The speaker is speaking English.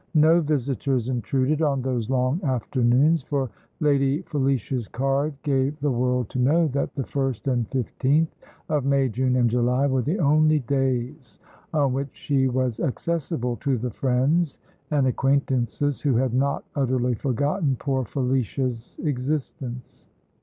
No visitors intruded on those long afternoons; for Lady Felicia's card gave the world to know that the first and fifteenth of May, June, and July, were the only days on which she was accessible to the friends and acquaintances who had not utterly forgotten "poor Felicia's" existence.